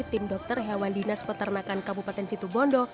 tim dokter hewan dinas peternakan kabupaten situbondo